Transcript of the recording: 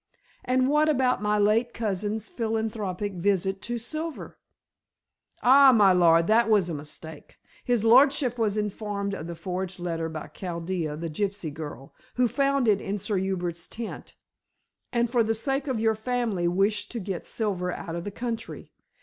"And what about my late cousin's philanthropic visit to Silver?" "Ah, my lord, that was a mistake. His lordship was informed of the forged letter by Chaldea the gypsy girl, who found it in Sir Hubert's tent, and for the sake of your family wished to get Silver out of the country.